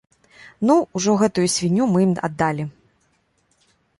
Ну, ўжо гэтую свінню мы ім аддалі.